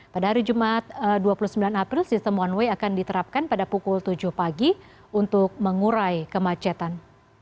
pada hari jumat dua puluh sembilan april sistem one way akan diterapkan pada pukul tujuh pagi untuk mengurai kemacetan